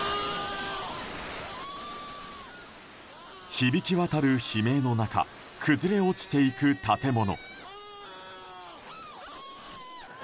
響き渡る悲鳴の中崩れ落ちていく建物。